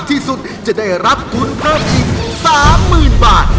ที่สุดจะได้รับทุนเพิ่มอีก๓๐๐๐บาท